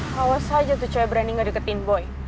walau saja tuh cewek berani gak diketiin boy